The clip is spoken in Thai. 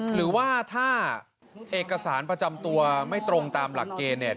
หรือว่าถ้าเอกสารประจำตัวไม่ตรงตามหลักเกณฑ์เนี่ย